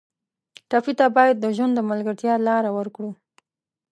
ټپي ته باید د ژوند د ملګرتیا لاره ورکړو.